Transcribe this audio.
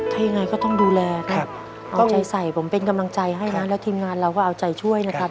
ถ้ายังไงก็ต้องดูแลครับเอาใจใส่ผมเป็นกำลังใจให้นะแล้วทีมงานเราก็เอาใจช่วยนะครับ